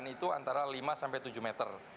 itu antara lima sampai tujuh meter